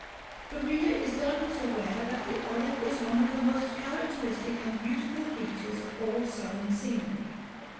§ XI. The reader is doubtless aware that the olive is one of the most characteristic and beautiful features of all Southern scenery.